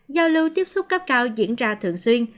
giao lưu tiếp xúc cấp cao diễn ra thường xuyên